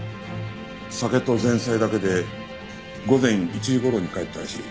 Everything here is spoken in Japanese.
酒と前菜だけで午前１時頃に帰ったらしい。